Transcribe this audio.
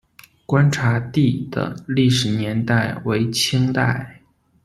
观察第的历史年代为清代。